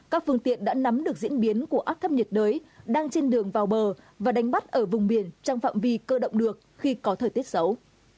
các phương tiện đã nắm được diễn biến của áp thấp nhiệt đới đang trên đường vào bờ và đánh bắt ở vùng biển trong phạm vi cơ động được khi có thời tiết xấu